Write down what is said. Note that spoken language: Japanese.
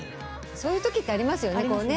そういうときってありますよね。